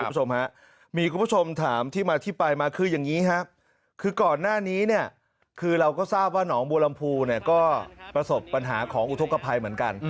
คุณผู้ชมฮะมีคุณผู้ชมถามที่มาที่ไปมาคืออย่างนี้ครับคือก่อนหน้านี้เนี่ยคือเราก็ทราบว่าหนองบัวลำพูเนี่ยก็ประสบปัญหาของอุทธกภัยเหมือนกัน